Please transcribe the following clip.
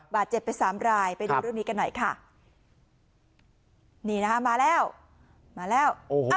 บาดเจ็บไปสามรายไปดูเรื่องนี้กันหน่อยค่ะนี่นะคะมาแล้วมาแล้ว